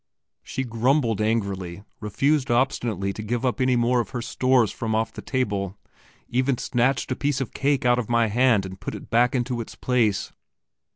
She grumbled angrily, refused obstinately to give up any more of her stores from off the table, even snatched a piece of cake out of my hand and put it back into its place.